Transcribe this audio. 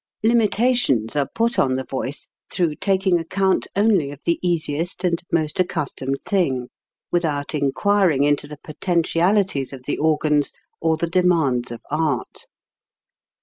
Limitations are put on the voice through taking 136 HOW TO SING account only of the easiest and most accus tomed thing, without inquiring into the poten tialities of the organs or the demands of art.